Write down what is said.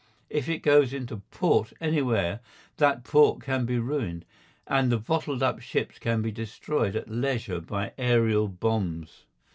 If it goes into port anywhere that port can be ruined, and the bottled up ships can be destroyed at leisure by aerial bombs.